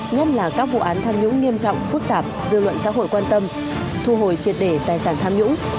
nhất là các vụ án tham nhũng nghiêm trọng phức tạp dư luận xã hội quan tâm thu hồi triệt để tài sản tham nhũng